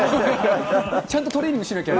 ちゃんとトレーニングしなきゃ。